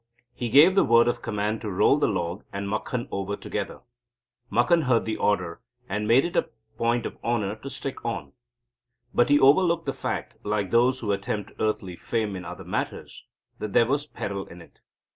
He gave the word of command to roll the log and Makhan over together. Makhan heard the order, and made it a point of honour to stick on. But he overlooked the fact, like those who attempt earthly fame in other matters, that there was peril in it.